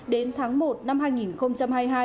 đến tháng một năm hai nghìn hai mươi hai